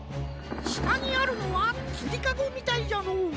したにあるのはつりかごみたいじゃのう。